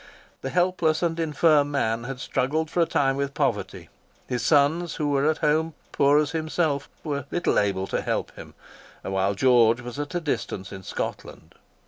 The helpless and infirm man had struggled for a time with poverty; his sons who were at home, poor as himself, were little able to help him, while George was at a distance in Scotland.